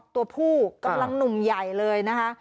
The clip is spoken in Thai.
ตัวผู้กำลังหนุ่มใหญ่เลยนะคะ